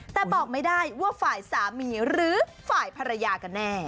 แต่บอกไม่ได้ว่าฝ่ายสามีหรือฝ่ายภรรยากันแน่